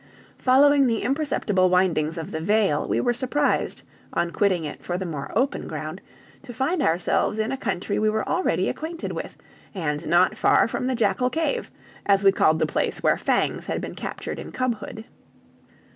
Following the imperceptible windings of the vale, we were surprised, on quitting it for the more open ground, to find ourselves in a country we were already acquainted with, and not far from the Jackal Cave, as we called the place where Fangs had been captured in cubhood.